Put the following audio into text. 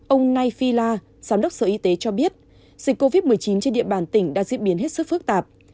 ông nay phi la giám đốc sở y tế cho biết dịch covid một mươi chín trên địa bàn tỉnh đã diễn biến hết sức phức tạp